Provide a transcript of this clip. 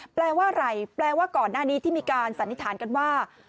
แปลว่าอะไรแปลว่าก่อนหน้านี้ที่มีการสันนิษฐานกันว่า